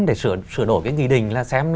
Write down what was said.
để sửa đổi cái nghị định